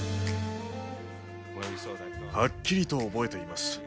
はっきりと覚えています。